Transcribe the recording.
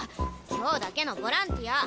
今日だけのボランティア。